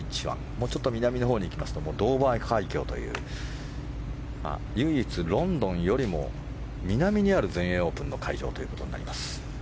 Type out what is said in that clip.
もうちょっと南のほうに行きますとドーバー海峡という唯一、ロンドンよりも南にある全英オープンの会場となります。